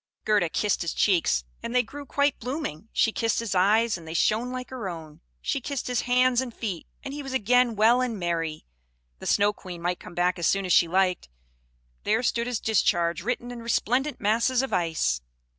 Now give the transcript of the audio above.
Gerda kissed his cheeks, and they grew quite blooming; she kissed his eyes, and they shone like her own; she kissed his hands and feet, and he was again well and merry. The Snow Queen might come back as soon as she liked; there stood his discharge written in resplendent masses of ice.